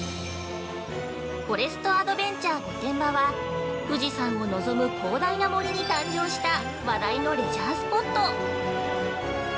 ◆フォレストアドベンチャー・御殿場は、富士山を望む広大な森に誕生した話題のレジャースポット。